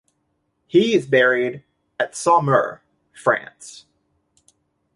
He is buried at Saumur, France.